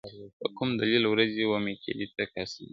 • په کوم دلیل ورځې و میکدې ته قاسم یاره,